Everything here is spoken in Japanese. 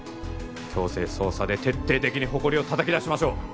強制捜査で徹底的にホコリを叩き出しましょう！